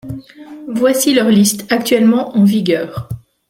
Voici leur liste, actuellement en vigueur.